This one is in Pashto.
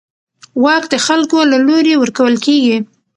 واک د خلکو له لوري ورکول کېږي